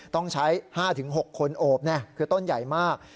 ต้องใช้๕๖คนโอบคือต้นใหญ่มาก